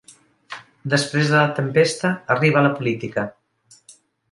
Després de la tempesta arriba la política.